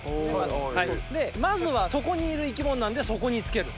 まずは底にいる生き物なんで底につける。